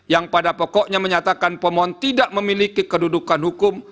yang pada pokoknya menyatakan pemohon tidak memiliki kedudukan hukum